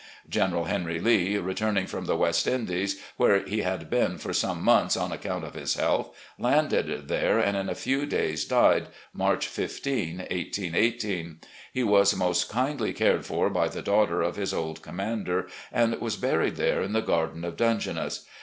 General Henry Lee, return ing from the West Indies, where he had been for some months on account of his health, landed there, and in a few days died, March 15, 1818. He was most kindly cared for by the daughter of his old commander, and was buried there in the garden of Dungeness.